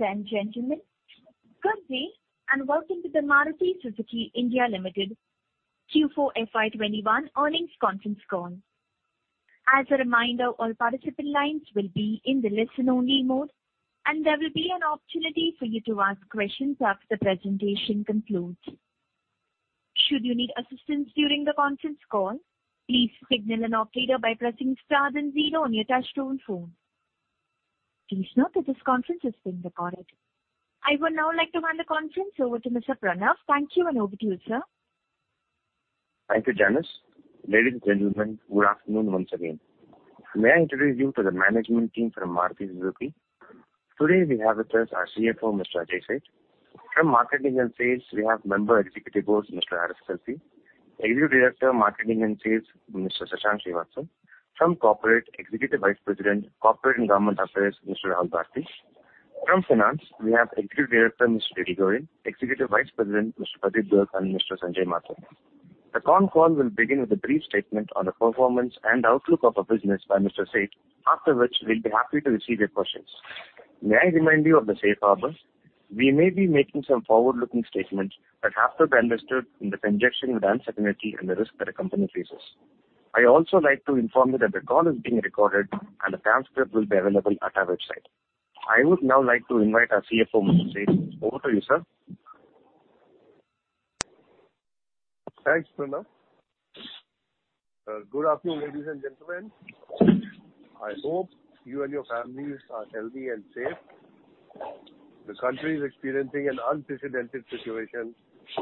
Ladies and gentlemen, good day and welcome to the Maruti Suzuki India Limited Q4 FY 2021 earnings conference call. As a reminder, all participant lines will be in the listen-only mode, and there will be an opportunity for you to ask questions after the presentation concludes. Should you need assistance during the conference call, please signal an operator by pressing star then zero on your touch-tone phone. Please note that this conference is being recorded. I would now like to hand the conference over to Mr. Pranav. Thank you, and over to you, sir. Thank you, Janice. Ladies and gentlemen, good afternoon once again. May I introduce you to the management team from Maruti Suzuki? Today, we have with us our CFO, Mr. Ajay Seth. From marketing and sales, we have Member Executive Boss, Mr. Harish Selfie; Executive Director Marketing and Sales, Mr. Shashank Srivastava; from corporate, Executive Vice President, Corporate and Government Affairs, Mr. Rahul Bharti; from finance, we have Executive Director, Mr. Dedigorin; Executive Vice President, Mr. Pradeep Gurkh; and Mr. Sanjay Mathur. The con call will begin with a brief statement on the performance and outlook of our business by Mr. Seth, after which we'll be happy to receive your questions. May I remind you of the safe harbor? We may be making some forward-looking statements, but have to be understood in the conjunction with uncertainty and the risk that the company faces. I also like to inform you that the call is being recorded, and the transcript will be available at our website. I would now like to invite our CFO, Mr. Seth. Over to you, sir. Thanks, Pranav. Good afternoon, ladies and gentlemen. I hope you and your families are healthy and safe. The country is experiencing an unprecedented situation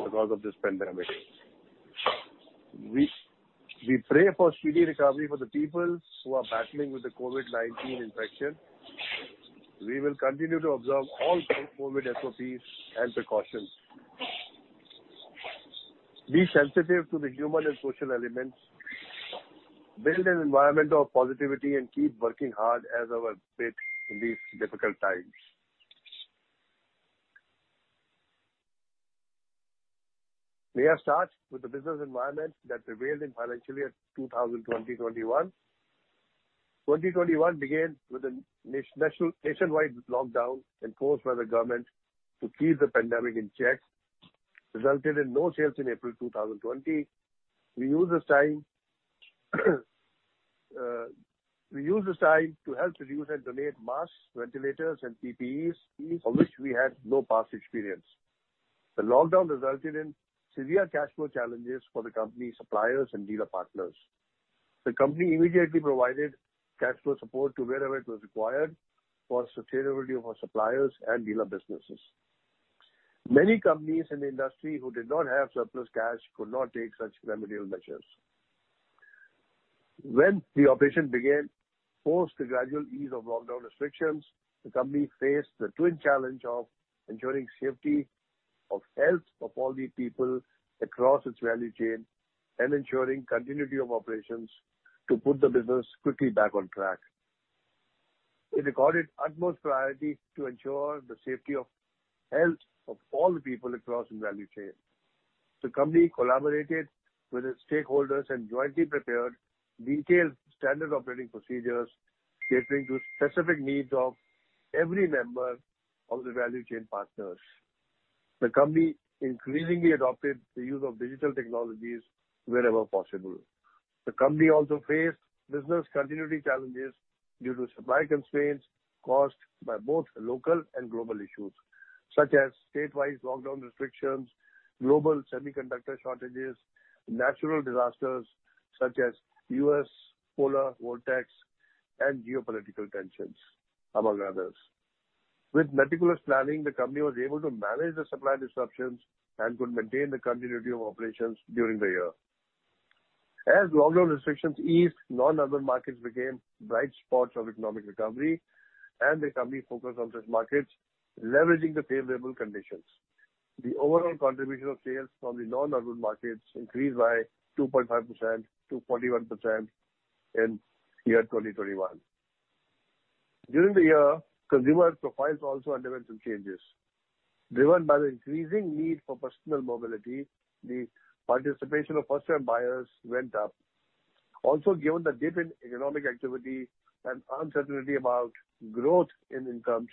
because of this pandemic. We pray for speedy recovery for the people who are battling with the COVID-19 infection. We will continue to observe all COVID SOPs and precautions. Be sensitive to the human and social elements. Build an environment of positivity and keep working hard as our faith in these difficult times. May I start with the business environment that prevailed in financial year 2020-2021? 2021 began with a nationwide lockdown imposed by the government to keep the pandemic in check, resulting in no sales in April 2020. We used this time to help produce and donate masks, ventilators, and PPEs, for which we had no past experience. The lockdown resulted in severe cash flow challenges for the company's suppliers and dealer partners. The company immediately provided cash flow support to wherever it was required for the security of our suppliers and dealer businesses. Many companies in the industry who did not have surplus cash could not take such remedial measures. When the operation began, post the gradual ease of lockdown restrictions, the company faced the twin challenge of ensuring safety of health of all the people across its value chain and ensuring continuity of operations to put the business quickly back on track. We recorded utmost priority to ensure the safety of health of all the people across the value chain. The company collaborated with its stakeholders and jointly prepared detailed standard operating procedures catering to the specific needs of every member of the value chain partners. The company increasingly adopted the use of digital technologies wherever possible. The company also faced business continuity challenges due to supply constraints caused by both local and global issues, such as statewide lockdown restrictions, global semiconductor shortages, natural disasters such as U.S. polar vortex, and geopolitical tensions, among others. With meticulous planning, the company was able to manage the supply disruptions and could maintain the continuity of operations during the year. As lockdown restrictions eased, non-urban markets became bright spots of economic recovery, and the company focused on those markets, leveraging the favorable conditions. The overall contribution of sales from the non-urban markets increased by 2.5%-41% in year 2021. During the year, consumer profiles also underwent some changes. Driven by the increasing need for personal mobility, the participation of first-time buyers went up. Also, given the deepened economic activity and uncertainty about growth in incomes,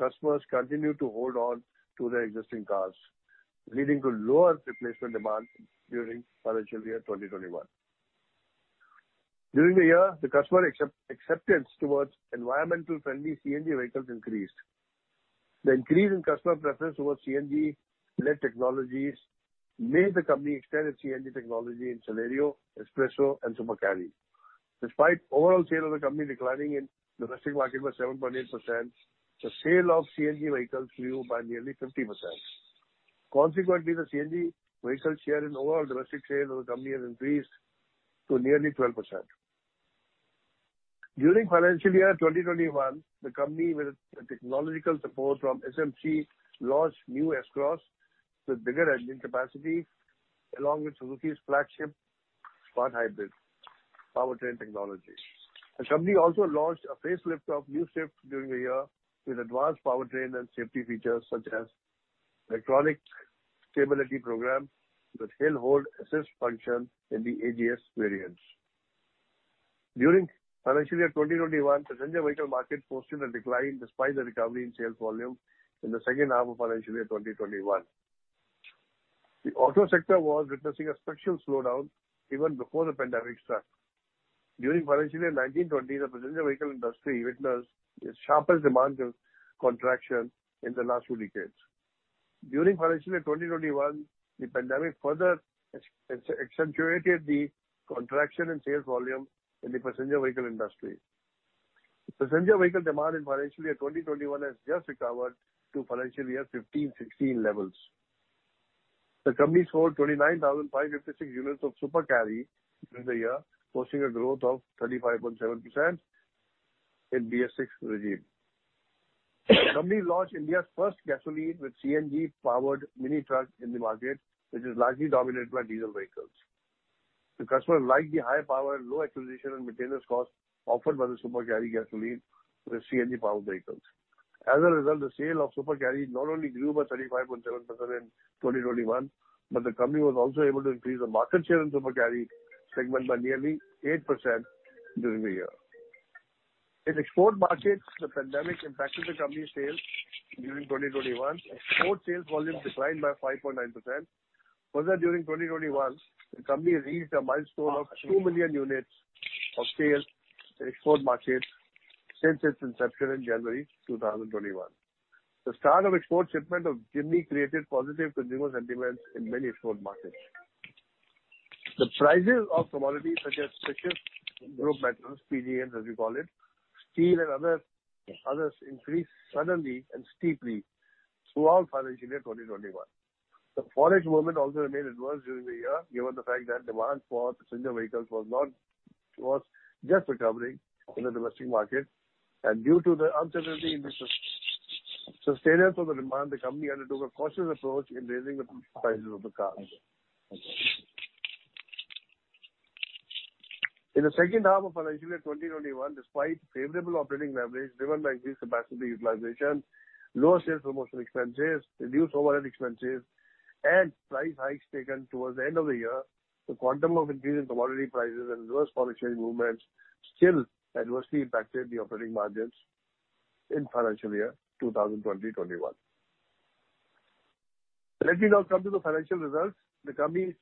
customers continued to hold on to their existing cars, leading to lower replacement demand during financial year 2021. During the year, the customer acceptance towards environmentally friendly CNG vehicles increased. The increase in customer preference towards CNG-led technologies made the company extend its CNG technology in Celerio, S-Presso, and Super Carry. Despite overall sales of the company declining in the domestic market by 7.8%, the sale of CNG vehicles grew by nearly 50%. Consequently, the CNG vehicle share in overall domestic sales of the company has increased to nearly 12%. During financial year 2021, the company, with technological support from SMC, launched new S-Cross with bigger engine capacity, along with Suzuki's flagship Smart Hybrid powertrain technology. SMC also launched a facelift of new Swift during the year with advanced powertrain and safety features such as electronic stability program with hill hold assist function in the AGS variants. During financial year 2021, the passenger vehicle market posted a decline despite the recovery in sales volume in the second half of financial year 2021. The auto sector was witnessing a structural slowdown even before the pandemic struck. During financial year 2019-2020, the passenger vehicle industry witnessed its sharpest demand contraction in the last two decades. During financial year 2021, the pandemic further accentuated the contraction in sales volume in the passenger vehicle industry. Passenger vehicle demand in financial year 2021 has just recovered to financial year 2015-2016 levels. The company sold 29,556 units of Super Carry during the year, posting a growth of 35.7% in BS6 regime. The company launched India's first gasoline with CNG-powered mini truck in the market, which is largely dominated by diesel vehicles. The customers liked the high power, low acquisition, and maintenance cost offered by the Super Carry gasoline with CNG-powered vehicles. As a result, the sale of Super Carry not only grew by 35.7% in 2021, but the company was also able to increase the market share in Super Carry segment by nearly 8% during the year. In export markets, the pandemic impacted the company's sales during 2021. Export sales volume declined by 5.9%. Further, during 2021, the company reached a milestone of 2 million units of sales in export markets since its inception in January 2021. The start of export shipment of Jimny created positive consumer sentiments in many export markets. The prices of commodities such as specific group metals, PGM, as we call it, steel, and others increased suddenly and steeply throughout financial year 2021. The foreign movement also remained adverse during the year, given the fact that demand for passenger vehicles was just recovering in the domestic market. Due to the uncertainty in the sustainance of the demand, the company undertook a cautious approach in raising the prices of the cars. In the second half of financial year 2021, despite favorable operating leverage driven by increased capacity utilization, lower sales promotion expenses, reduced overhead expenses, and price hikes taken towards the end of the year, the quantum of increase in commodity prices and reverse foreign exchange movements still adversely impacted the operating margins in financial year 2020-2021. Let me now come to the financial results. The company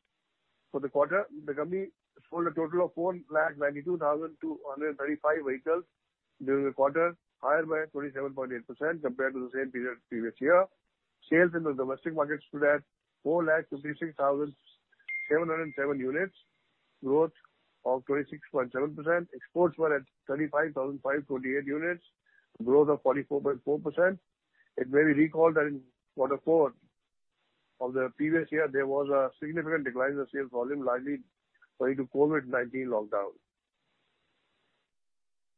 sold a total of 492,235 vehicles during the quarter, higher by 27.8% compared to the same period previous year. Sales in the domestic market stood at 456,707 units, growth of 26.7%. Exports were at 35,528 units, growth of 44.4%. It may be recalled that in quarter four of the previous year, there was a significant decline in the sales volume, likely due to COVID-19 lockdown.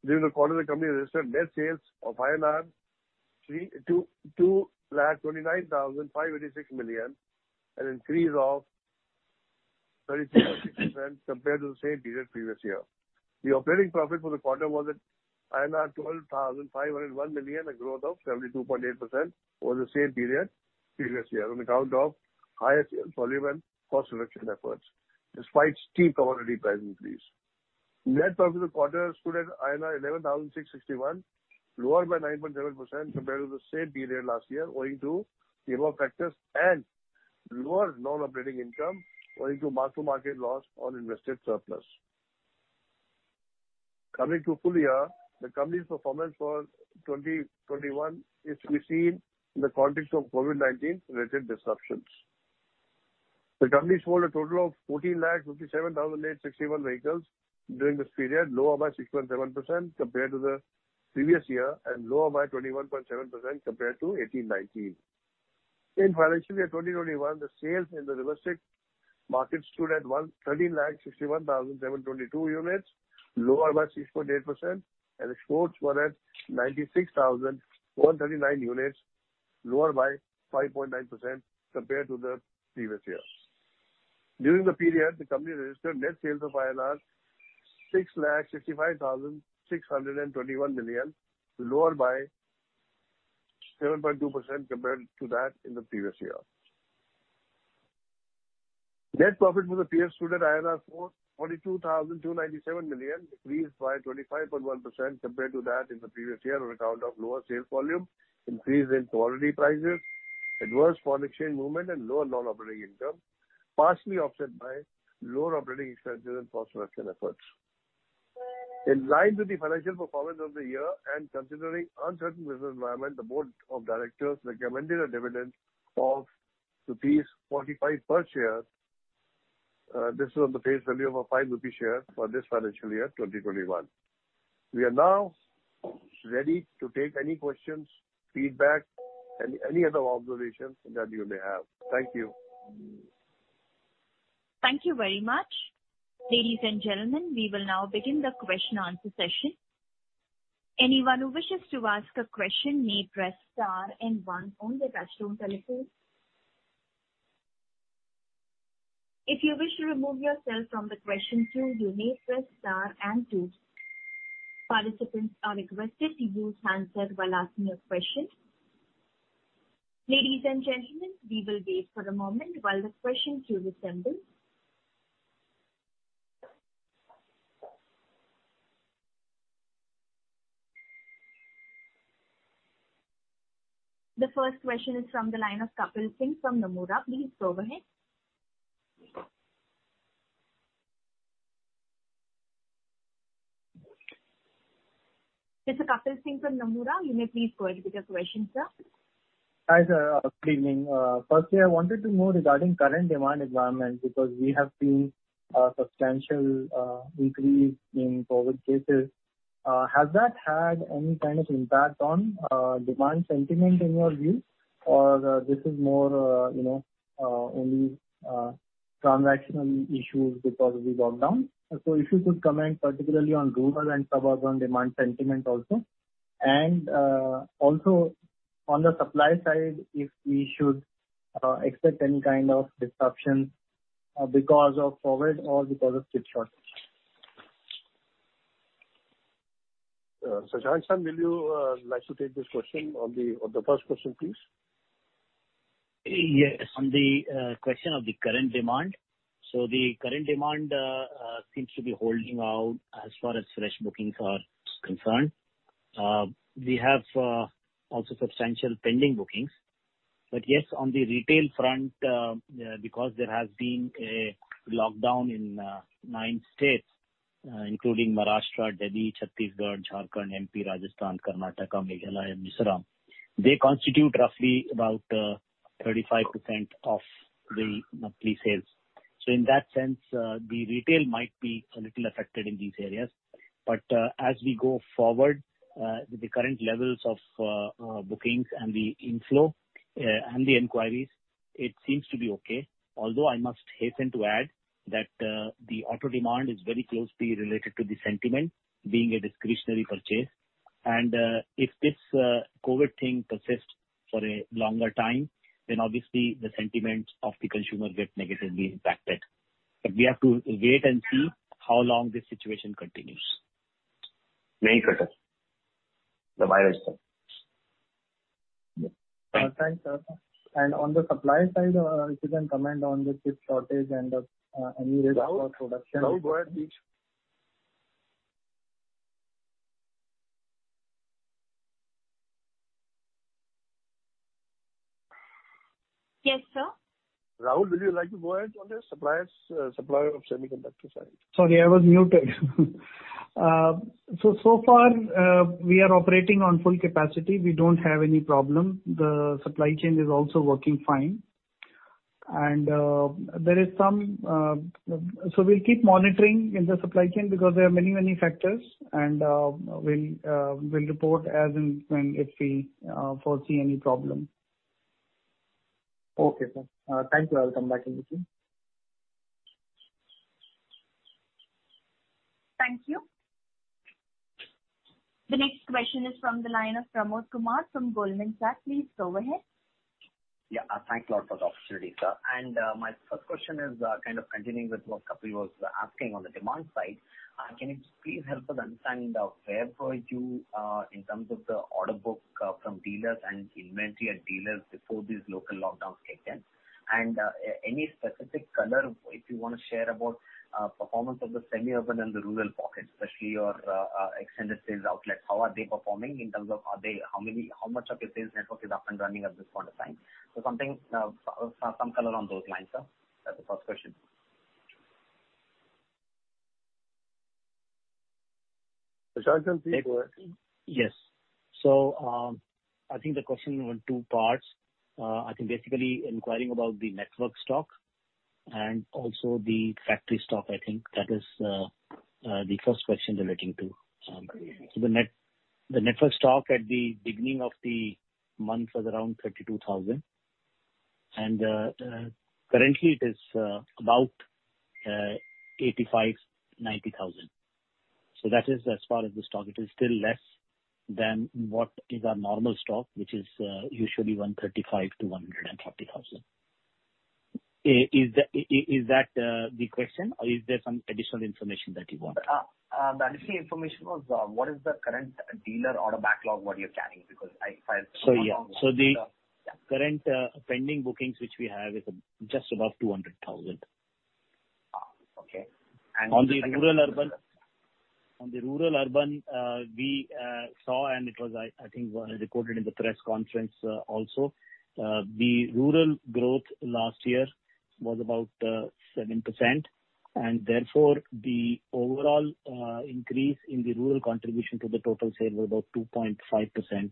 During the quarter, the company registered net sales of 22,958.6 million and increased of 36.6% compared to the same period previous year. The operating profit for the quarter was at INR 12,501 million, a growth of 72.8% over the same period previous year, on account of higher sales volume and cost reduction efforts, despite steep commodity price increase. Net profit for the quarter stood at INR 11,661 million, lower by 9.7% compared to the same period last year, owing to the above factors and lower non-operating income, owing to mark-to-market loss on invested surplus. Coming to the full year, the company's performance for 2021 is to be seen in the context of COVID-19-related disruptions. The company sold a total of 1,457,861 vehicles during this period, lower by 6.7% compared to the previous year and lower by 21.7% compared to 2018-2019. In financial year 2021, the sales in the domestic market stood at 1,361,722 units, lower by 6.8%, and exports were at 96,139 units, lower by 5.9% compared to the previous year. During the period, the company registered net sales of 665,621 million, lower by 7.2% compared to that in the previous year. Net profit for the period stood at 42,297 million, increased by 25.1% compared to that in the previous year, on account of lower sales volume, increase in commodity prices, adverse foreign exchange movement, and lower non-operating income, partially offset by lower operating expenses and cost reduction efforts. In line with the financial performance of the year and considering uncertain business environment, the Board of Directors recommended a dividend of rupees 45 per share. This is on the face value of an 5 rupee share for this financial year 2021. We are now ready to take any questions, feedback, and any other observations that you may have. Thank you. Thank you very much. Ladies and gentlemen, we will now begin the question-answer session. Anyone who wishes to ask a question may press star and one on the touchstone telephone. If you wish to remove yourself from the question queue, you may press star and two. Participants are requested to use hands up while asking a question. Ladies and gentlemen, we will wait for a moment while the question queue resembles. The first question is from the line of Kapil Singh from Nomura. Please go ahead. Mr. Kapil Singh from Nomura, you may please go ahead with your question, sir. Hi sir, good evening. Firstly, I wanted to know regarding current demand environment because we have seen a substantial increase in COVID cases. Has that had any kind of impact on demand sentiment in your view, or this is more only transactional issues because of the lockdown? If you could comment particularly on rural and suburban demand sentiment also. Also on the supply side, if we should expect any kind of disruptions because of COVID or because of chip shortage. Shashank will you like to take this question on the first question, please? Yes. On the question of the current demand, the current demand seems to be holding out as far as fresh bookings are concerned. We have also substantial pending bookings. Yes, on the retail front, because there has been a lockdown in nine states, including Maharashtra, Delhi, Chhattisgarh, Jharkhand, MP, Rajasthan, Karnataka, Meghalaya, and Mysuru, they constitute roughly about 35% of the monthly sales. In that sense, the retail might be a little affected in these areas. As we go forward with the current levels of bookings and the inflow and the inquiries, it seems to be okay. Although I must hasten to add that the auto demand is very closely related to the sentiment being a discretionary purchase. If this COVID thing persists for a longer time, then obviously the sentiment of the consumer gets negatively impacted. We have to wait and see how long this situation continues. Thank you, sir. The supply, sir. Thanks, sir. On the supply side, if you can comment on the chip shortage and any risk for production. Rahul, go ahead, please. Yes, sir. Rahul, will you like to go ahead on the supplier of semiconductor side? Sorry, I was muted. So far, we are operating on full capacity. We do not have any problem. The supply chain is also working fine. There is some, so we will keep monitoring in the supply chain because there are many, many factors. We will report as and when if we foresee any problem. Okay, sir. Thank you. I'll come back in between. Thank you. The next question is from the line of Pramod Kumar from Goldman Sachs. Please go ahead. Yeah, thank you a lot for the opportunity, sir. My first question is kind of continuing with what Kapil was asking on the demand side. Can you please help us understand where were you in terms of the order book from dealers and inventory at dealers before these local lockdowns kicked in? Any specific color if you want to share about performance of the semi-urban and the rural pockets, especially your extended sales outlets? How are they performing in terms of how much of your sales network is up and running at this point of time? Some color on those lines, sir, is the first question. Shashank, please go ahead. Yes. I think the question was in two parts. I think basically inquiring about the network stock and also the factory stock, I think. That is the first question relating to. The network stock at the beginning of the month was around 32,000. Currently, it is about 85,000-90,000. That is as far as the stock. It is still less than what is our normal stock, which is usually 135,000-140,000. Is that the question, or is there some additional information that you want? The additional information was what is the current dealer order backlog, what you're carrying? Because if I'm not wrong, sir. The current pending bookings which we have is just above 200,000. Okay. And. On the rural urban. On the rural urban, we saw, and it was, I think, recorded in the press conference also, the rural growth last year was about 7%. Therefore, the overall increase in the rural contribution to the total sale was about 2.5%.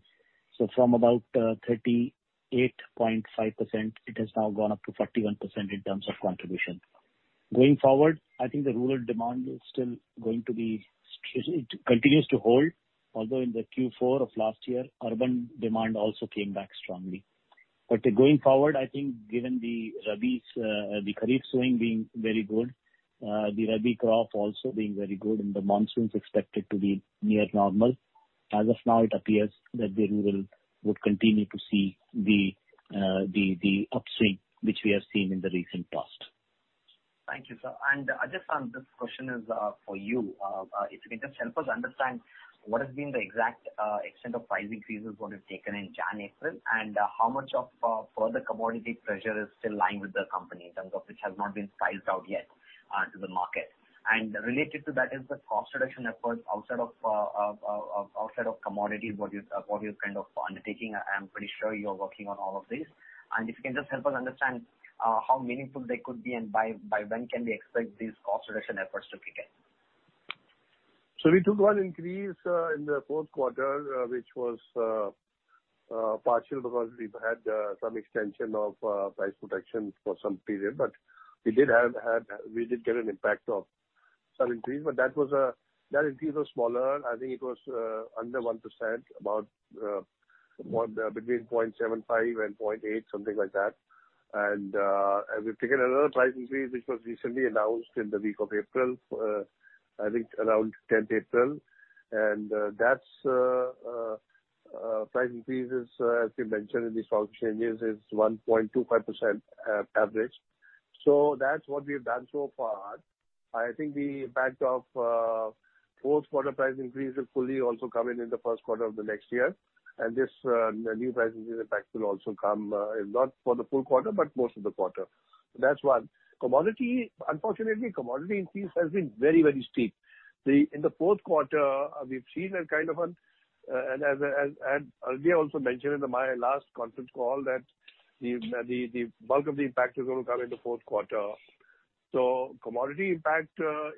From about 38.5%, it has now gone up to 41% in terms of contribution. Going forward, I think the rural demand is still going to be, continues to hold, although in the Q4 of last year, urban demand also came back strongly. Going forward, I think given the Khareef swing being very good, the Rabi crop also being very good, and the monsoons expected to be near normal, as of now, it appears that the rural would continue to see the upswing which we have seen in the recent past. Thank you, sir. I just found this question is for you. If you can just help us understand what has been the exact extent of price increases that have taken in January-April, and how much of further commodity pressure is still lying with the company in terms of which has not been priced out yet to the market? Related to that is the cost reduction efforts outside of commodities, what you're kind of undertaking. I'm pretty sure you're working on all of these. If you can just help us understand how meaningful they could be and by when can we expect these cost reduction efforts to kick in? We took one increase in the fourth quarter, which was partial because we've had some extension of price protection for some period. We did get an impact of some increase, but that increase was smaller. I think it was under 1%, about between 0.75% and 0.8%, something like that. We've taken another price increase, which was recently announced in the week of April, I think around 10th April. That price increase, as we mentioned in these power changes, is 1.25% average. That's what we've done so far. I think the impact of fourth quarter price increase will fully also come in in the first quarter of the next year. This new price increase impact will also come not for the full quarter, but most of the quarter. That's one. Commodity, unfortunately, commodity increase has been very, very steep. In the fourth quarter, we've seen a kind of an earlier also mentioned in my last conference call that the bulk of the impact is going to come in the fourth quarter. Commodity impact,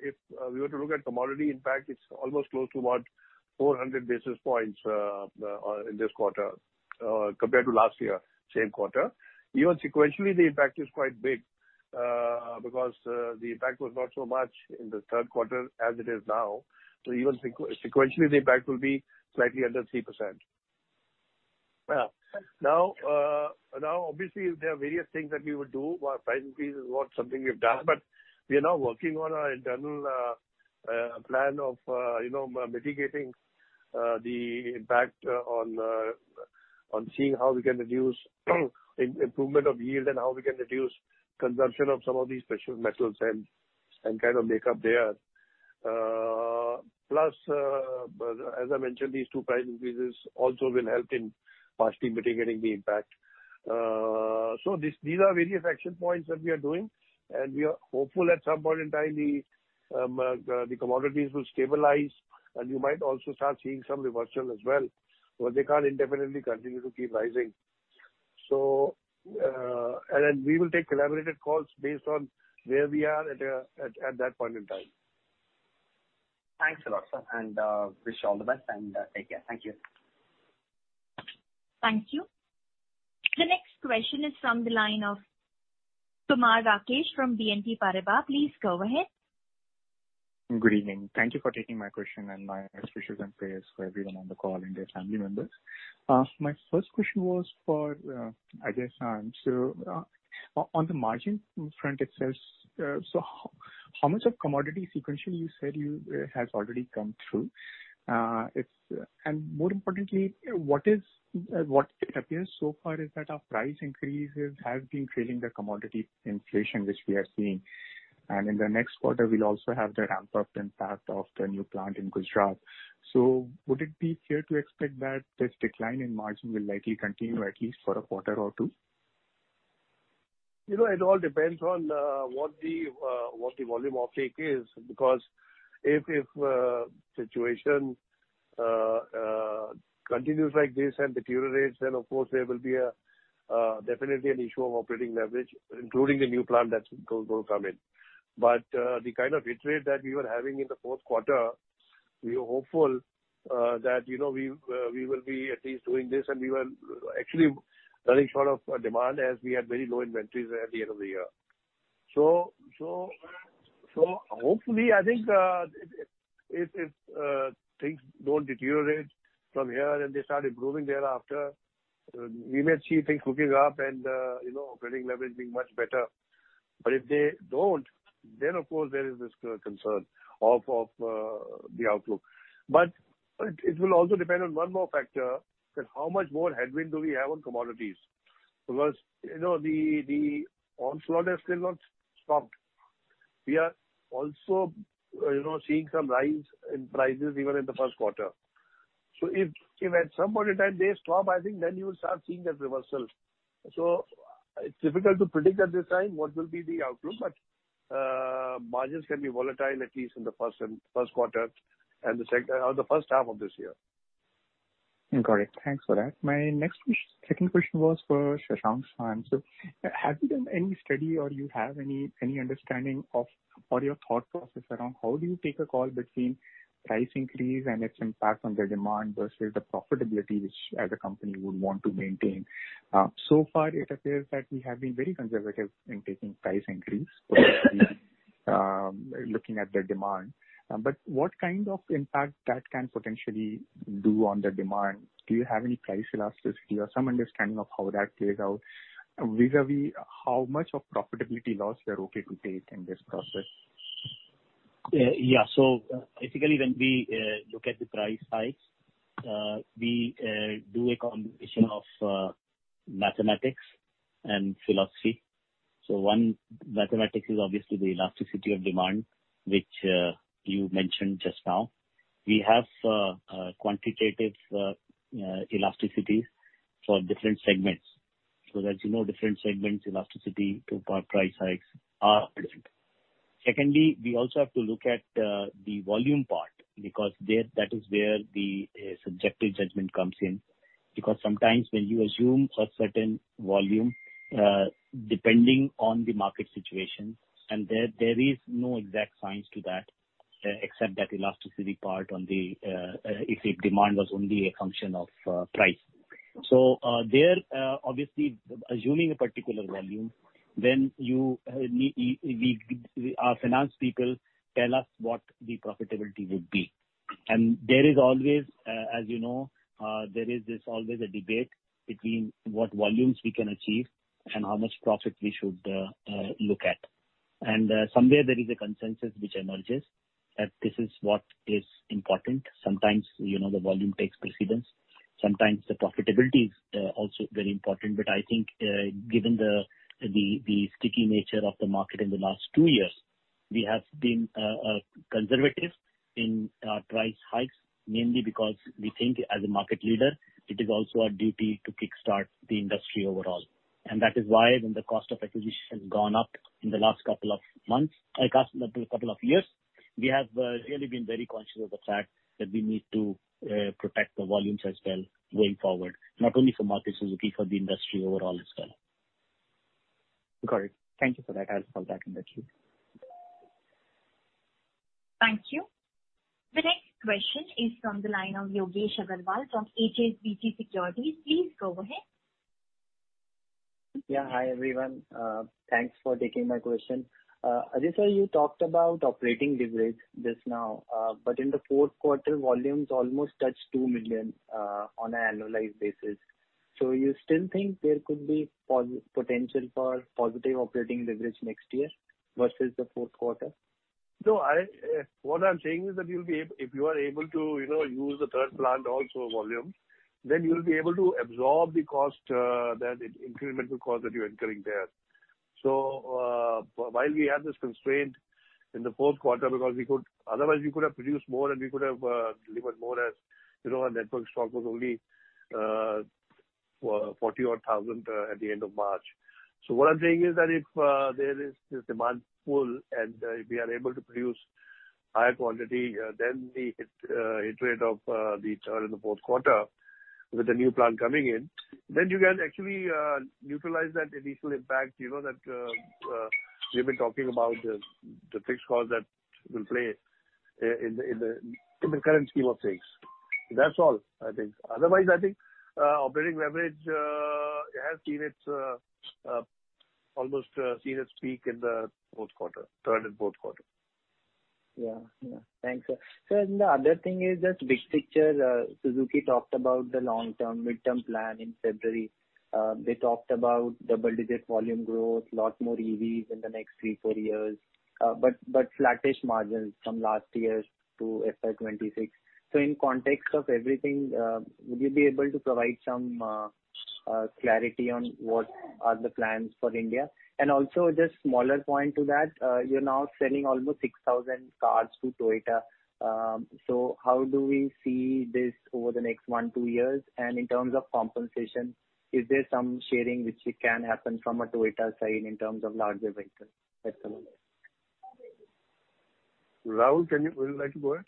if we were to look at commodity impact, it's almost close to about 400 basis points in this quarter compared to last year, same quarter. Even sequentially, the impact is quite big because the impact was not so much in the third quarter as it is now. Even sequentially, the impact will be slightly under 3%. Now, obviously, there are various things that we would do. Price increase is not something we've done, but we are now working on our internal plan of mitigating the impact on seeing how we can reduce improvement of yield and how we can reduce consumption of some of these special metals and kind of make up there. Plus, as I mentioned, these two price increases also will help in partially mitigating the impact. These are various action points that we are doing. We are hopeful at some point in time the commodities will stabilize, and we might also start seeing some reversal as well, but they cannot indefinitely continue to keep rising. We will take collaborative calls based on where we are at that point in time. Thanks a lot, sir. Wish you all the best. Take care. Thank you. Thank you. The next question is from the line of Kumar Rakesh from BNP Paribas. Please go ahead. Good evening. Thank you for taking my question and my respect and prayers for everyone on the call and their family members. My first question was for Seth. On the margin front itself, how much of commodity sequentially you said has already come through? More importantly, what it appears so far is that our price increases have been trailing the commodity inflation which we are seeing. In the next quarter, we will also have the ramp-up impact of the new plant in Gujarat. Would it be fair to expect that this decline in margin will likely continue at least for a quarter or two? It all depends on what the volume offtake is because if the situation continues like this and deteriorates, then of course, there will be definitely an issue of operating leverage, including the new plant that will come in. The kind of hit rate that we were having in the fourth quarter, we were hopeful that we will be at least doing this, and we were actually running short of demand as we had very low inventories at the end of the year. Hopefully, I think if things do not deteriorate from here and they start improving thereafter, we may see things hooking up and operating leverage being much better. If they do not, there is this concern of the outlook. It will also depend on one more factor, that is how much more headwind do we have on commodities? The onslaught has still not stopped. We are also seeing some rise in prices even in the first quarter. If at some point in time they stop, I think then you will start seeing that reversal. It is difficult to predict at this time what will be the outlook, but margins can be volatile at least in the first quarter and the second or the first half of this year. Got it. Thanks for that. My second question was for Shashank. Do you have any study or do you have any understanding of your thought process around how you take a call between price increase and its impact on the demand versus the profitability which the company would want to maintain? It appears that we have been very conservative in taking price increase looking at the demand. What kind of impact can that potentially do on the demand? Do you have any price elasticity or some understanding of how that plays out vis-à-vis how much of profitability loss you're okay to take in this process? Yeah. Basically, when we look at the price hikes, we do a combination of mathematics and philosophy. One mathematic is obviously the elasticity of demand, which you mentioned just now. We have quantitative elasticities for different segments. As you know, different segments, elasticity to price hikes are different. Secondly, we also have to look at the volume part because that is where the subjective judgment comes in. Sometimes when you assume a certain volume depending on the market situation, there is no exact science to that except that elasticity part if demand was only a function of price. There, obviously, assuming a particular volume, then our finance people tell us what the profitability would be. There is always, as you know, a debate between what volumes we can achieve and how much profit we should look at. Somewhere, there is a consensus which emerges that this is what is important. Sometimes the volume takes precedence. Sometimes the profitability is also very important. I think given the sticky nature of the market in the last two years, we have been conservative in our price hikes, mainly because we think as a market leader, it is also our duty to kickstart the industry overall. That is why when the cost of acquisition has gone up in the last couple of months, a couple of years, we have really been very conscious of the fact that we need to protect the volumes as well going forward, not only for markets but for the industry overall as well. Got it. Thank you for that. I'll fall back in that view. Thank you. The next question is from the line of Yogesh Aggarwal from HSBC Securities. Please go ahead. Yeah. Hi everyone. Thanks for taking my question. Ajay Sir, you talked about operating leverage just now, but in the fourth quarter, volumes almost touched 2 million on an annualized basis. You still think there could be potential for positive operating leverage next year versus the fourth quarter? No. What I'm saying is that if you are able to use the third plant also volume, then you'll be able to absorb the cost, that incremental cost that you're incurring there. While we have this constraint in the fourth quarter, because otherwise, we could have produced more and we could have delivered more as our network stock was only 40,000 at the end of March. What I'm saying is that if there is this demand pull and we are able to produce higher quantity, then the hit rate of the third and the fourth quarter with the new plant coming in, you can actually neutralize that initial impact that we've been talking about, the fixed cost that will play in the current scheme of things. That's all, I think. Otherwise, I think operating leverage has seen its almost seen its peak in the fourth quarter, third and fourth quarter. Yeah. Yeah. Thanks, sir. The other thing is that big picture, Suzuki talked about the long-term, mid-term plan in February. They talked about double-digit volume growth, a lot more EVs in the next three, four years, but flattish margins from last year to FY 2026. In context of everything, would you be able to provide some clarity on what are the plans for India? Also, just a smaller point to that, you're now selling almost 6,000 cars to Toyota. How do we see this over the next one, two years? In terms of compensation, is there some sharing which can happen from a Toyota side in terms of larger vehicles? That's all. Rahul, would you like to go ahead?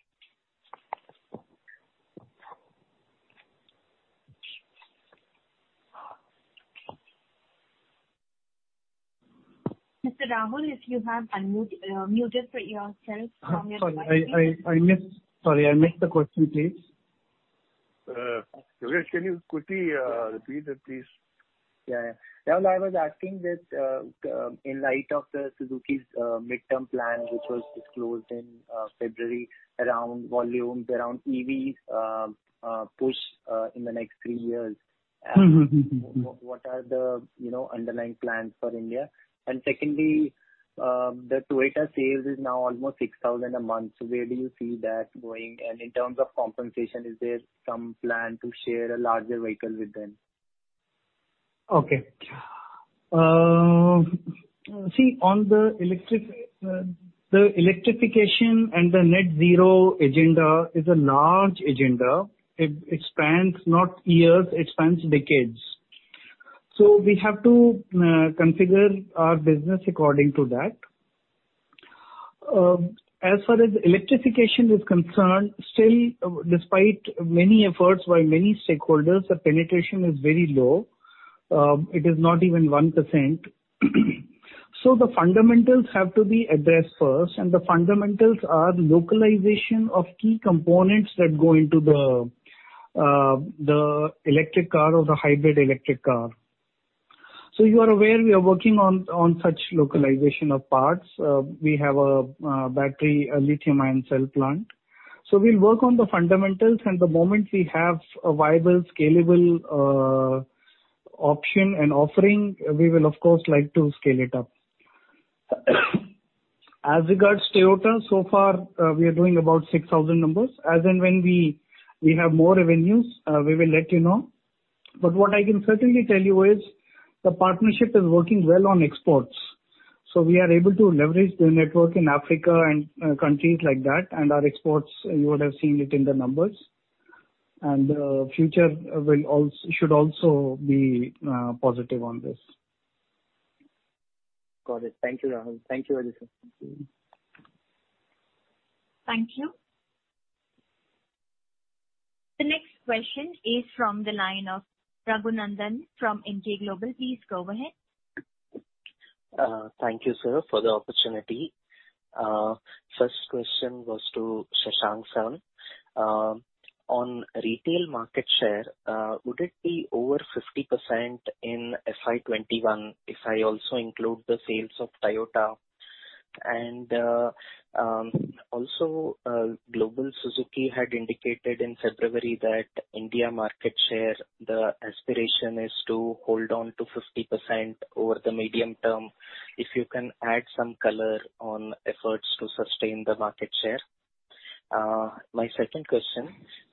Mr. Rahul, if you have unmuted for yourself from your side. Sorry, I missed the question, please. Yogesh, can you quickly repeat it, please? Yeah. Yeah. I was asking that in light of Suzuki's mid-term plan, which was disclosed in February around volumes, around EV push in the next three years, what are the underlying plans for India? Secondly, the Toyota sales is now almost 6,000 a month. Where do you see that going? In terms of compensation, is there some plan to share a larger vehicle with them? Okay. See, on the electrification and the net zero agenda, it is a large agenda. It spans not years, it spans decades. We have to configure our business according to that. As far as electrification is concerned, still, despite many efforts by many stakeholders, the penetration is very low. It is not even 1%. The fundamentals have to be addressed first. The fundamentals are localization of key components that go into the electric car or the hybrid electric car. You are aware, we are working on such localization of parts. We have a battery, a lithium-ion cell plant. We will work on the fundamentals. The moment we have a viable, scalable option and offering, we will, of course, like to scale it up. As regards Toyota, so far, we are doing about 6,000 numbers. As and when we have more revenues, we will let you know. What I can certainly tell you is the partnership is working well on exports. We are able to leverage the network in Africa and countries like that. Our exports, you would have seen it in the numbers. The future should also be positive on this. Got it. Thank you, Rahul. Thank you, Ajay. Thank you. The next question is from the line of Raghunandan from NK Global. Please go ahead. Thank you, sir, for the opportunity. First question was to Shashank. Sir, on retail market share, would it be over 50% in FY 2021 if I also include the sales of Toyota? Also, Global Suzuki had indicated in February that India market share, the aspiration is to hold on to 50% over the medium term. If you can add some color on efforts to sustain the market share. My second question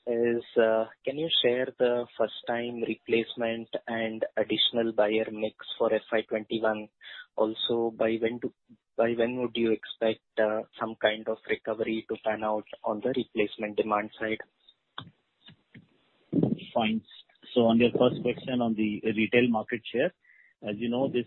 is, can you share the first-time replacement and additional buyer mix for FY 2021? Also, by when would you expect some kind of recovery to pan out on the replacement demand side? Fine. On your first question on the retail market share, as you know, this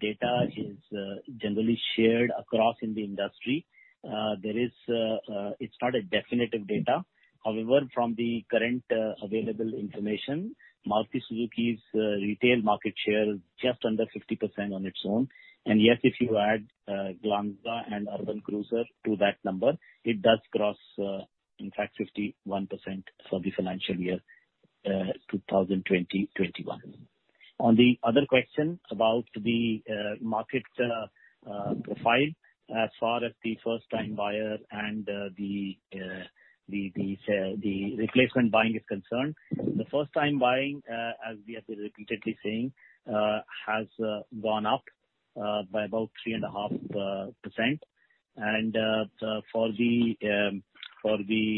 data is generally shared across in the industry. It's not a definitive data. However, from the current available information, Maruti Suzuki's retail market share is just under 50% on its own. Yes, if you add Glanza and Urban Cruiser to that number, it does cross, in fact, 51% for the financial year 2020-2021. On the other question about the market profile, as far as the first-time buyer and the replacement buying is concerned, the first-time buying, as we have been repeatedly saying, has gone up by about 3.5%. For the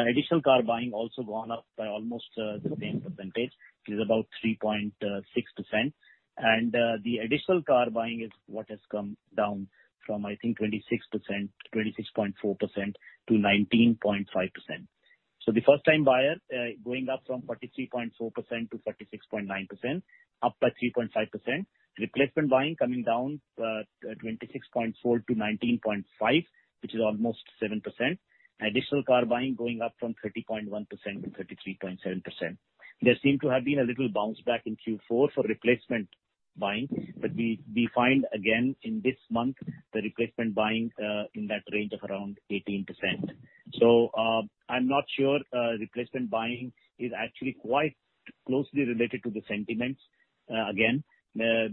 additional car buying, also gone up by almost the same percentage. It is about 3.6%. The additional car buying is what has come down from, I think, 26.4%-19.5%. The first-time buyer going up from 43.4%-46.9%, up by 3.5%. Replacement buying coming down 26.4%-19.5%, which is almost 7%. Additional car buying going up from 30.1%-33.7%. There seemed to have been a little bounce back in Q4 for replacement buying. We find, again, in this month, the replacement buying in that range of around 18%. I'm not sure replacement buying is actually quite closely related to the sentiments again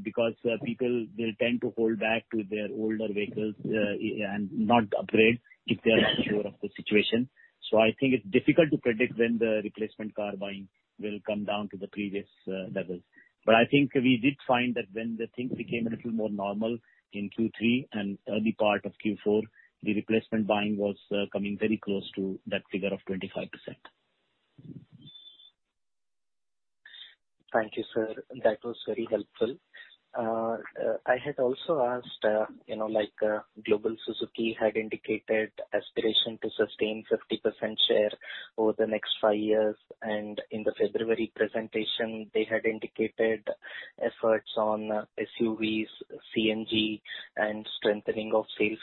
because people will tend to hold back to their older vehicles and not upgrade if they are not sure of the situation. I think it's difficult to predict when the replacement car buying will come down to the previous levels. I think we did find that when the things became a little more normal in Q3 and early part of Q4, the replacement buying was coming very close to that figure of 25%. Thank you, sir. That was very helpful. I had also asked, like Global Suzuki had indicated aspiration to sustain 50% share over the next five years. In the February presentation, they had indicated efforts on SUVs, CNG, and strengthening of sales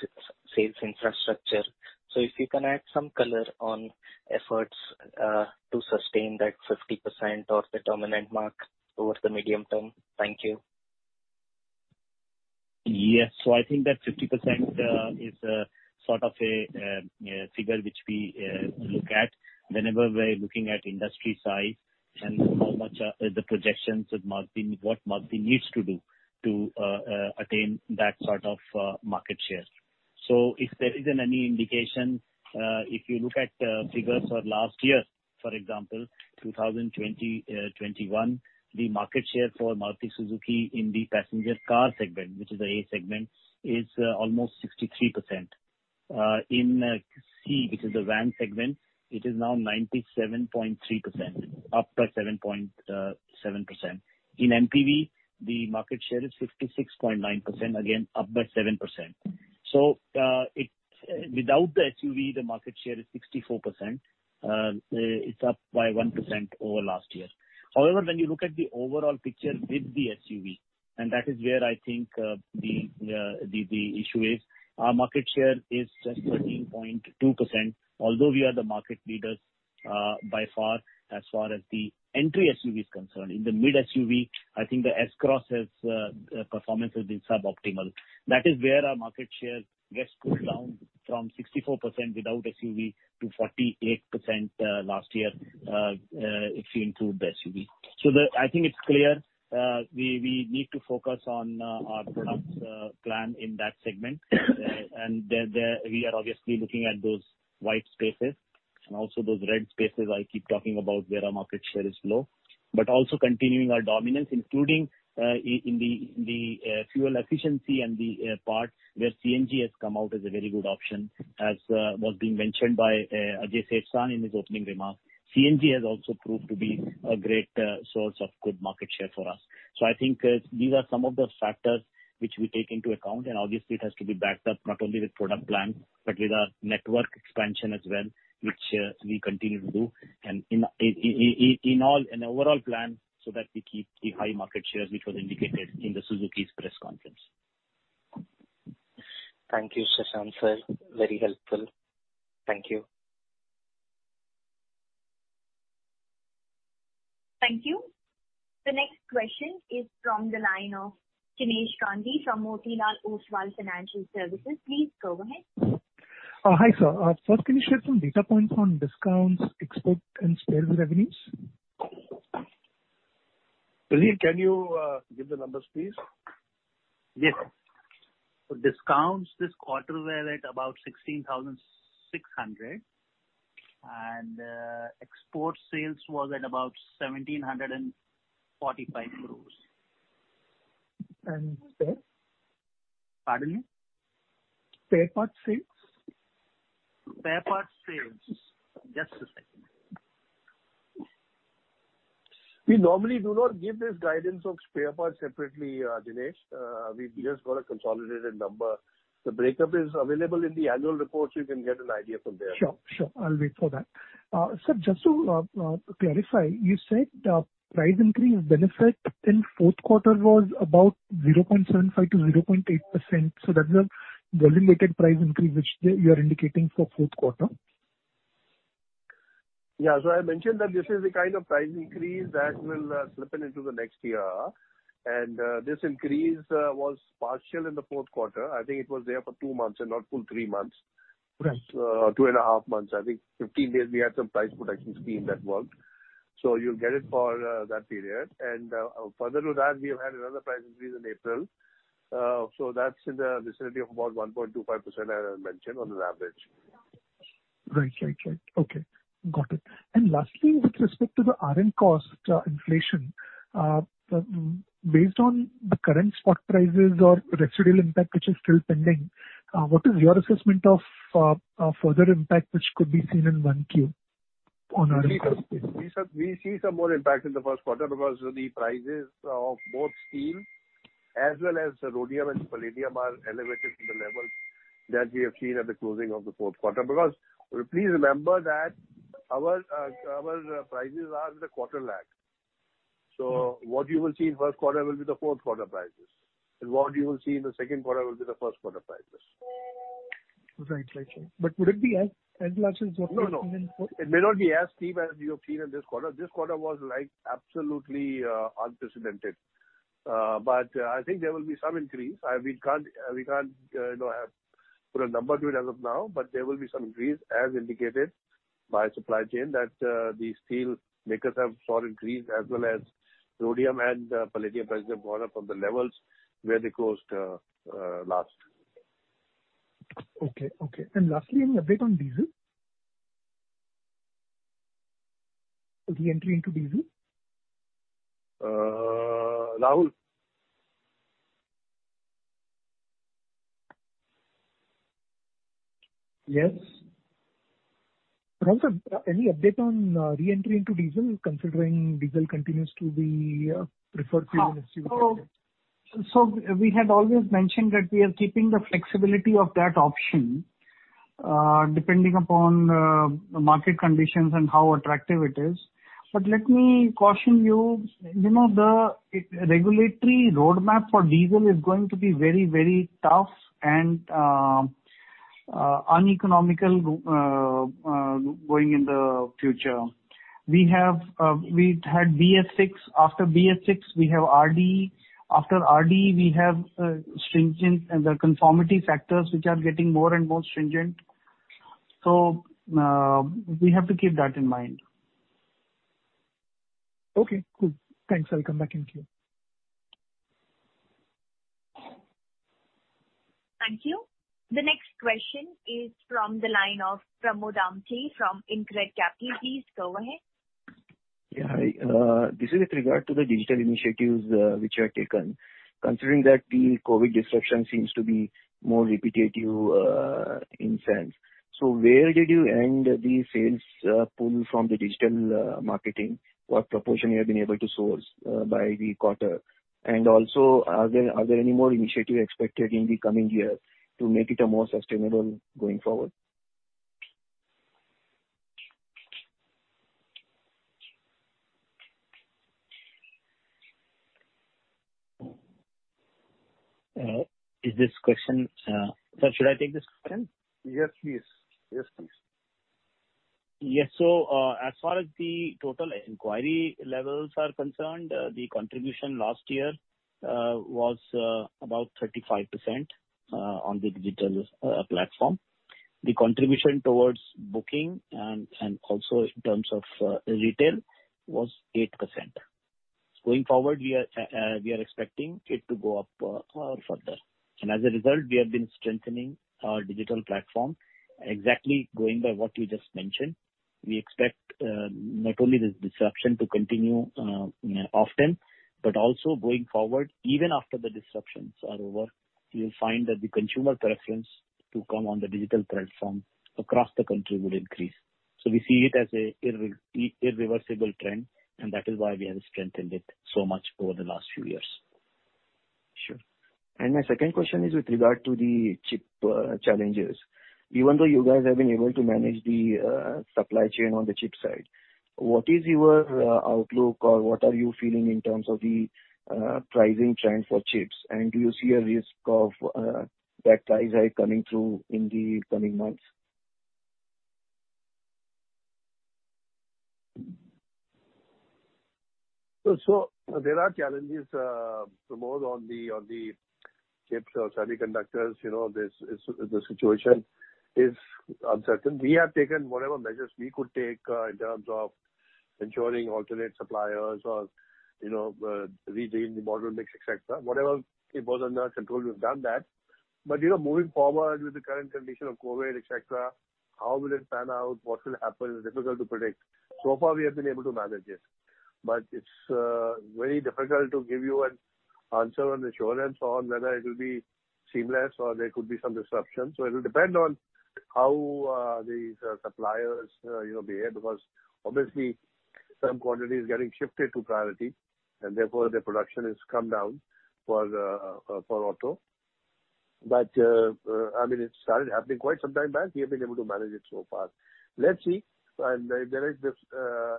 infrastructure. If you can add some color on efforts to sustain that 50% or the dominant mark over the medium term, thank you. Yes. I think that 50% is sort of a figure which we look at whenever we're looking at industry size and how much the projections of what Maruti needs to do to attain that sort of market share. If you look at figures for last year, for example, 2020-2021, the market share for Maruti Suzuki in the passenger car segment, which is the A segment, is almost 63%. In C, which is the van segment, it is now 97.3%, up by 7.7%. In MPV, the market share is 56.9%, again, up by 7%. Without the SUV, the market share is 64%. It's up by 1% over last year. However, when you look at the overall picture with the SUV, and that is where I think the issue is, our market share is just 13.2%, although we are the market leaders by far as far as the entry SUV is concerned. In the mid SUV, I think the S-Cross performance has been sub-optimal. That is where our market share gets pulled down from 64% without SUV to 48% last year if you include the SUV. I think it's clear we need to focus on our product plan in that segment. We are obviously looking at those white spaces and also those red spaces I keep talking about where our market share is low, but also continuing our dominance, including in the fuel efficiency and the part where CNG has come out as a very good option, as was being mentioned by Ajay Seth San in his opening remark. CNG has also proved to be a great source of good market share for us. I think these are some of the factors which we take into account. Obviously, it has to be backed up not only with product plan, but with our network expansion as well, which we continue to do and in an overall plan so that we keep the high market shares, which was indicated in the Suzuki's press conference. Thank you, Shashank Sir. Very helpful. Thank you. Thank you. The next question is from the line of Jinesh Gandhi from Motilal Oswal Financial Services. Please go ahead. Hi, sir. First, can you share some data points on discounts, export, and sales revenues? Ajay, can you give the numbers, please? Yes. Discounts this quarter were at about 16,600. Export sales was at about 1,745 crore. And spare? Pardon me? Spare part sales? Spare part sales. Just a second. We normally do not give this guidance of spare parts separately, Jinesh. We've just got a consolidated number. The breakup is available in the annual report. You can get an idea from there. Sure. Sure. I'll wait for that. Sir, just to clarify, you said price increase benefit in fourth quarter was about 0.75%-0.8%. So that's the volume-weighted price increase which you are indicating for fourth quarter. Yeah. I mentioned that this is the kind of price increase that will slip into the next year. This increase was partial in the fourth quarter. I think it was there for two months and not full three months, two and a half months. I think 15 days, we had some price protection scheme that worked. You will get it for that period. Further to that, we have had another price increase in April. That is in the vicinity of about 1.25%, as I mentioned, on an average. Right. Right. Right. Okay. Got it. Lastly, with respect to the R&D cost inflation, based on the current spot prices or residual impact, which is still pending, what is your assessment of further impact which could be seen in IQ on R&D cost? We see some more impact in the first quarter because the prices of both steel as well as rhodium and palladium are elevated to the level that we have seen at the closing of the fourth quarter. Please remember that our prices are in the quarter lag. What you will see in first quarter will be the fourth quarter prices. What you will see in the second quarter will be the first quarter prices. Right. Right. Right. Would it be as steep as what we've seen in fourth? No, no. It may not be as steep as you've seen in this quarter. This quarter was absolutely unprecedented. I think there will be some increase. We can't put a number to it as of now, but there will be some increase, as indicated by supply chain, that the steel makers have soared in green, as well as rhodium and palladium prices have gone up from the levels where they closed last. Okay. Okay. Lastly, any update on diesel? The entry into diesel? Rahul? Yes. Rahul, any update on re-entry into diesel, considering diesel continues to be preferred fuel in SUVs? We had always mentioned that we are keeping the flexibility of that option depending upon market conditions and how attractive it is. Let me caution you. The regulatory roadmap for diesel is going to be very, very tough and uneconomical going in the future. We had BS6. After BS6, we have RD. After RD, we have stringent and the conformity factors, which are getting more and more stringent. We have to keep that in mind. Okay. Cool. Thanks. I'll come back in queue. Thank you. The next question is from the line of Pramod Amthe from Incred Capital. Please go ahead. Yeah. This is with regard to the digital initiatives which are taken, considering that the COVID disruption seems to be more repetitive in sense. Where did you end the sales pool from the digital marketing? What proportion have you been able to source by the quarter? Also, are there any more initiatives expected in the coming year to make it more sustainable going forward? Is this question? Sir, should I take this question? Yes, please. Yes, please. Yes. As far as the total inquiry levels are concerned, the contribution last year was about 35% on the digital platform. The contribution towards booking and also in terms of retail was 8%. Going forward, we are expecting it to go up further. As a result, we have been strengthening our digital platform, exactly going by what you just mentioned. We expect not only this disruption to continue often, but also going forward, even after the disruptions are over, you'll find that the consumer preference to come on the digital platform across the country will increase. We see it as an irreversible trend, and that is why we have strengthened it so much over the last few years. Sure. My second question is with regard to the chip challenges. Even though you guys have been able to manage the supply chain on the chip side, what is your outlook or what are you feeling in terms of the pricing trend for chips? Do you see a risk of that price hike coming through in the coming months? There are challenges to move on the chips or semiconductors. The situation is uncertain. We have taken whatever measures we could take in terms of ensuring alternate suppliers or redoing the model mix, etc. Whatever it was under control, we've done that. Moving forward with the current condition of COVID, etc., how will it pan out? What will happen? It's difficult to predict. So far, we have been able to manage it. It's very difficult to give you an answer or an assurance on whether it will be seamless or there could be some disruption. It will depend on how these suppliers behave because obviously, some quantity is getting shifted to priority, and therefore, the production has come down for auto. I mean, it started happening quite some time back. We have been able to manage it so far. Let's see. If there is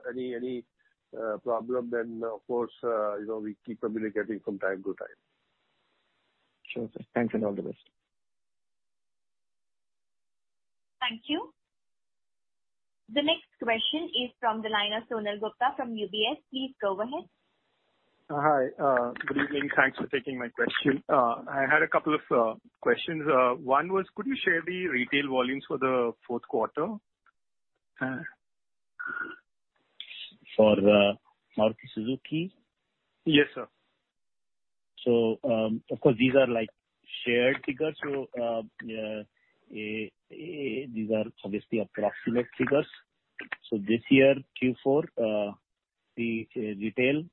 any problem, then of course, we keep communicating from time to time. Sure. Thanks. All the best. Thank you. The next question is from the line of Sonal Gupta from UBS. Please go ahead. Hi. Good evening. Thanks for taking my question. I had a couple of questions. One was, could you share the retail volumes for the fourth quarter? For Maruti Suzuki? Yes, sir. Of course, these are shared figures. These are obviously approximate figures. This year, Q4, the retail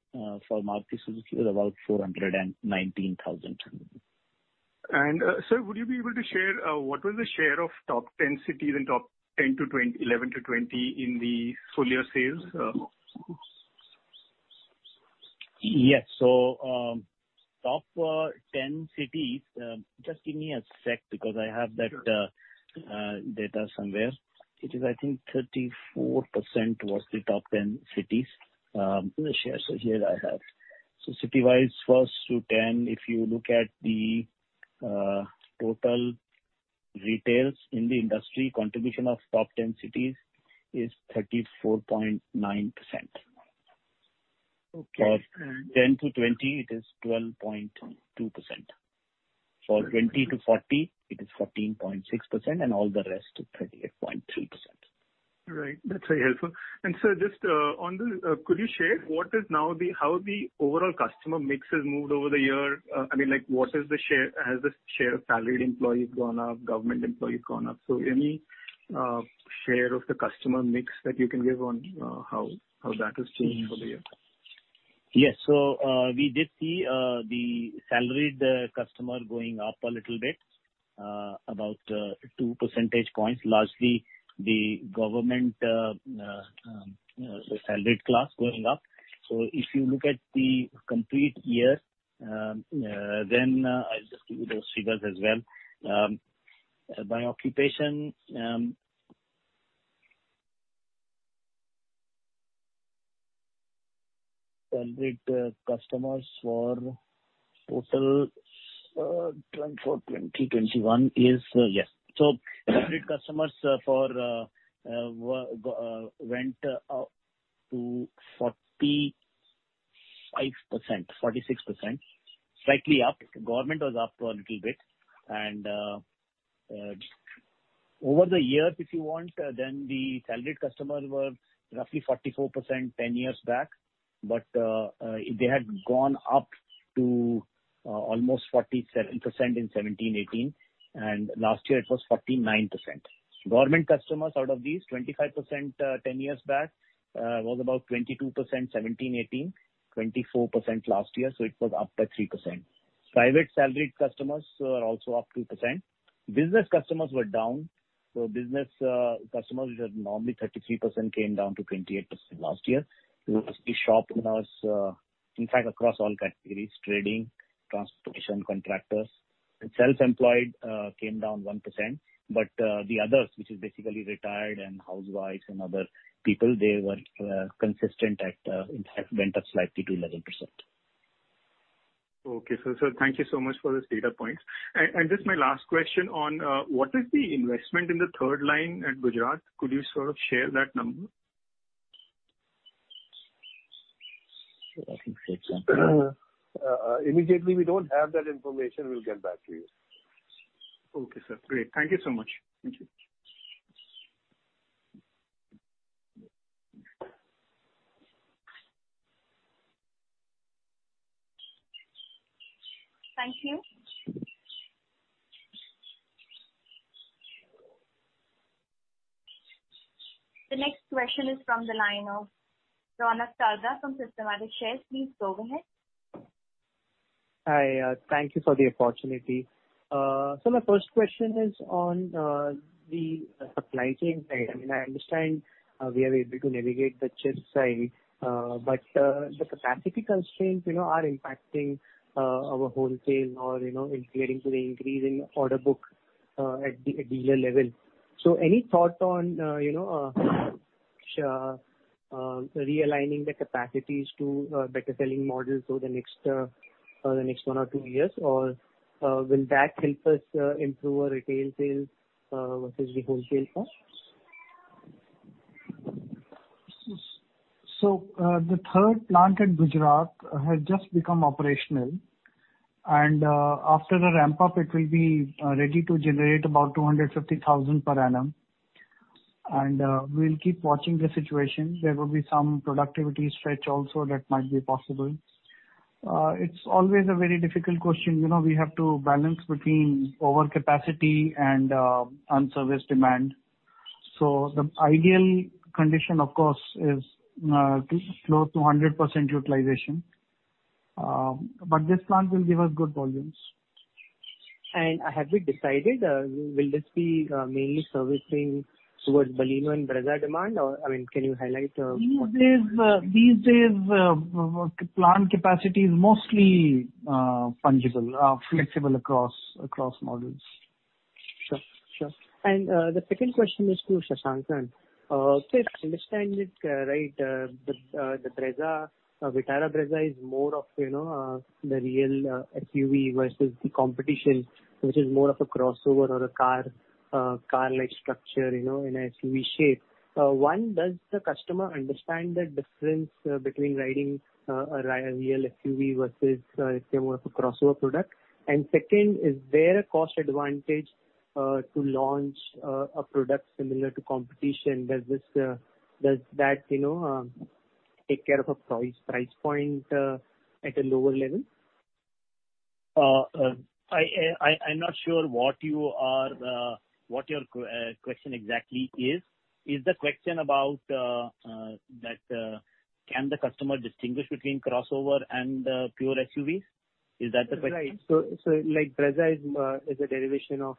for Maruti Suzuki was about 419,000. Sir, would you be able to share what was the share of top 10 cities and top 11-20 in the full-year sales? Yes. Top 10 cities, just give me a sec because I have that data somewhere. It is, I think, 34% was the top 10 cities. The shares here I have. City-wise, first to 10, if you look at the total retails in the industry, contribution of top 10 cities is 34.9%. For 10-20, it is 12.2%. For 20-40, it is 14.6%, and all the rest is 38.3%. Right. That's very helpful. Sir, just on the, could you share what is now the, how the overall customer mix has moved over the year? I mean, what is the share? Has the share of salaried employees gone up? Government employees gone up? Any share of the customer mix that you can give on how that has changed over the year? Yes. We did see the salaried customer going up a little bit, about 2 percentage points, largely the government salaried class going up. If you look at the complete year, then I'll just give you those figures as well. By occupation, salaried customers for total for 2021 is yes. Salaried customers went up to 45%-46%, slightly up. Government was up a little bit. Over the years, if you want, the salaried customers were roughly 44% 10 years back, but they had gone up to almost 47% in 2017-2018. Last year, it was 49%. Government customers out of these, 25% 10 years back was about 22% in 2017-2018, 24% last year. It was up by 3%. Private salaried customers were also up 2%. Business customers were down. Business customers, which are normally 33%, came down to 28% last year. It was the shop owners, in fact, across all categories: trading, transportation, contractors. Self-employed came down 1%. The others, which is basically retired and housewives and other people, they were consistent and went up slightly to 11%. Okay. Sir, thank you so much for this data point. Just my last question, what is the investment in the third line at Gujarat? Could you sort of share that number? Immediately, we don't have that information. We'll get back to you. Okay, sir. Great. Thank you so much. Thank you. Thank you. The next question is from the line of Rawana Sardar from Systematix Shares. Please go ahead. Hi. Thank you for the opportunity. My first question is on the supply chain. I mean, I understand we are able to navigate the chip side, but the capacity constraints are impacting our wholesale or integrating to the increase in order book at the dealer level. Any thought on realigning the capacities to better selling models over the next one or two years, or will that help us improve our retail sales versus the wholesale cost? The third plant in Gujarat has just become operational. After the ramp-up, it will be ready to generate about 250,000 per annum. We'll keep watching the situation. There will be some productivity stretch also that might be possible. It's always a very difficult question. We have to balance between overcapacity and unserviced demand. The ideal condition, of course, is close to 100% utilization. This plant will give us good volumes. Have we decided? Will this be mainly servicing towards Baleno and Brezza demand? I mean, can you highlight? These days, plant capacity is mostly fungible, flexible across models. Sure. Sure. The second question is to Shashank. If I understand it right, the Brezza, Vitara Brezza is more of the real SUV versus the competition, which is more of a crossover or a car-like structure in an SUV shape. One, does the customer understand the difference between riding a real SUV versus more of a crossover product? Second, is there a cost advantage to launch a product similar to competition? Does that take care of a price point at a lower level? I'm not sure what your question exactly is. Is the question about whether the customer can distinguish between crossover and pure SUVs? Is that the question? Right. Brezza is a derivation of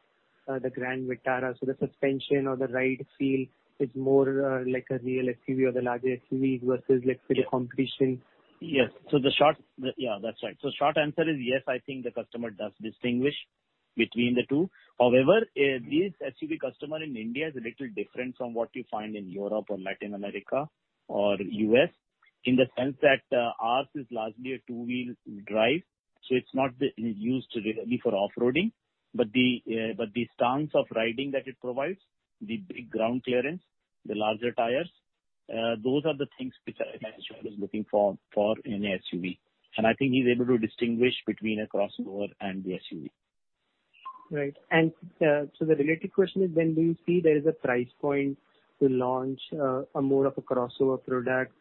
the Grand Vitara. The suspension or the ride feel is more like a real SUV or the larger SUVs versus the competition? Yes. The short—yeah, that's right. Short answer is yes, I think the customer does distinguish between the two. However, this SUV customer in India is a little different from what you find in Europe or Latin America or the U.S. in the sense that ours is largely a two-wheel drive. It is not used really for off-roading, but the stance of riding that it provides, the big ground clearance, the larger tires, those are the things which I think the customer is looking for in an SUV. I think he is able to distinguish between a crossover and the SUV. Right. The related question is, then do you see there is a price point to launch more of a crossover product?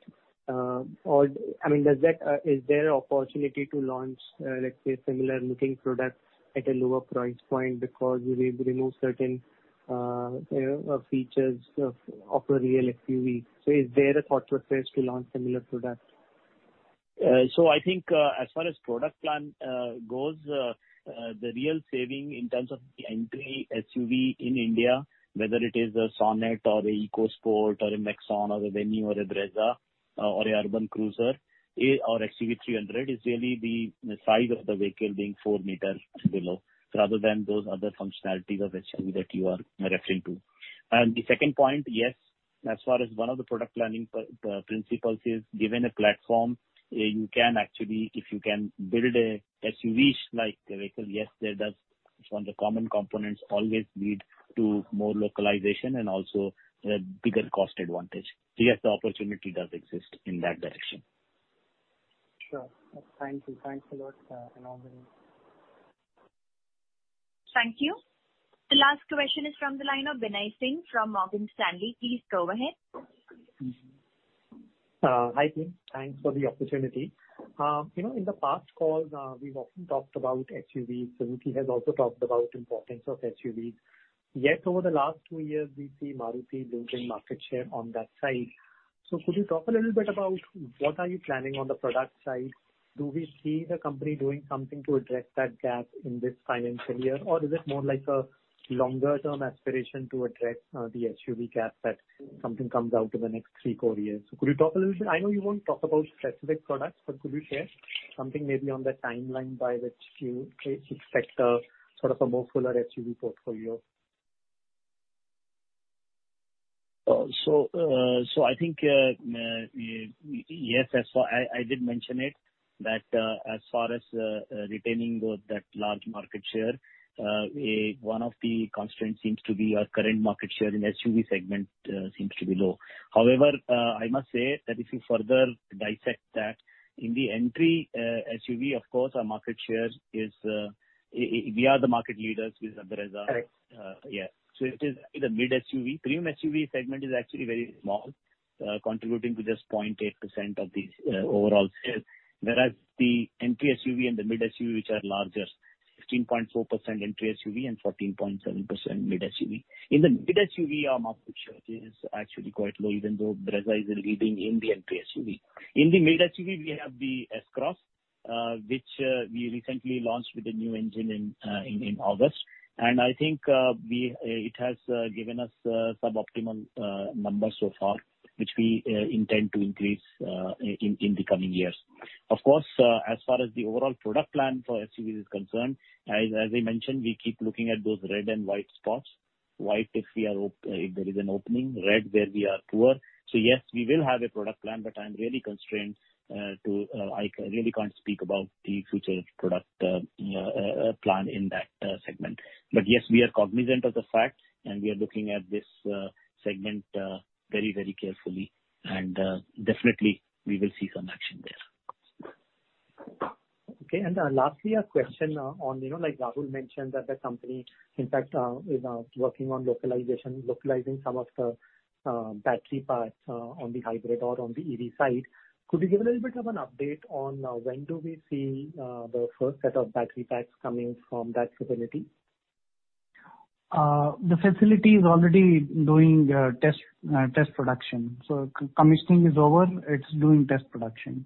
I mean, is there an opportunity to launch, let's say, a similar-looking product at a lower price point because you remove certain features of a real SUV? Is there a thought process to launch similar products? I think as far as product plan goes, the real saving in terms of the entry SUV in India, whether it is a Sonet or an EcoSport or a Nexon or a Venue or a Brezza or an Urban Cruiser or XUV300, is really the size of the vehicle being 4 meters below rather than those other functionalities of SUV that you are referring to. The second point, yes, as far as one of the product planning principles is given a platform, you can actually, if you can build an SUV-like vehicle, yes, one of the common components always leads to more localization and also a bigger cost advantage. Yes, the opportunity does exist in that direction. Sure. Thank you. Thanks a lot. Thank you. The last question is from the line of Binay Singh from Morgan Stanley. Please go ahead. Hi team. Thanks for the opportunity. In the past call, we've often talked about SUVs. Suzuki has also talked about the importance of SUVs. Yet, over the last two years, we see Maruti losing market share on that side. Could you talk a little bit about what are you planning on the product side? Do we see the company doing something to address that gap in this financial year, or is it more like a longer-term aspiration to address the SUV gap that something comes out in the next three, four years? Could you talk a little bit? I know you won't talk about specific products, but could you share something maybe on the timeline by which you expect sort of a more fuller SUV portfolio? I think, yes, I did mention it that as far as retaining that large market share, one of the constraints seems to be our current market share in the SUV segment seems to be low. However, I must say that if you further dissect that, in the entry SUV, of course, our market share is we are the market leaders with the Brezza. Yeah. It is the mid-SUV. Premium SUV segment is actually very small, contributing to just 0.8% of the overall sales, whereas the entry SUV and the mid-SUV, which are larger, 15.4% entry SUV and 14.7% mid-SUV. In the mid-SUV, our market share is actually quite low, even though Brezza is leading in the entry SUV. In the mid-SUV, we have the S-Cross, which we recently launched with a new engine in August. I think it has given us suboptimal numbers so far, which we intend to increase in the coming years. Of course, as far as the overall product plan for SUVs is concerned, as I mentioned, we keep looking at those red and white spots. White if there is an opening, red where we are poor. Yes, we will have a product plan, but I'm really constrained to I really can't speak about the future product plan in that segment. Yes, we are cognizant of the fact, and we are looking at this segment very, very carefully. Definitely, we will see some action there. Okay. Lastly, a question on, like Rahul mentioned, that the company, in fact, is working on localizing some of the battery packs on the hybrid or on the EV side. Could you give a little bit of an update on when do we see the first set of battery packs coming from that facility? The facility is already doing test production. Commissioning is over. It's doing test production.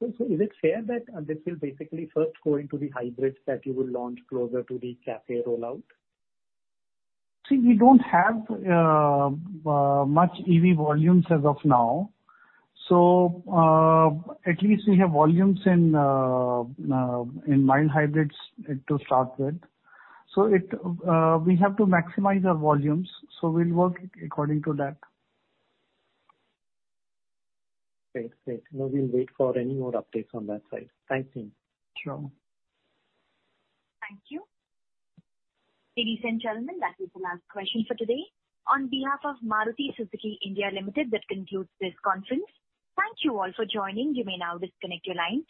Is it fair that this will basically first go into the hybrids that you will launch closer to the CAFE rollout? See, we don't have much EV volumes as of now. At least we have volumes in mild hybrids to start with. We have to maximize our volumes. We will work according to that. Great. Great. We'll wait for any more updates on that side. Thank you. Sure. Thank you. Ladies and gentlemen, that is the last question for today. On behalf of Maruti Suzuki India Limited, that concludes this conference. Thank you all for joining. You may now disconnect your lines.